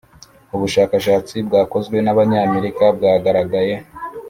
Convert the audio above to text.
’ubushakashatsi bwakozwe, nabanyamerika bwagaragaye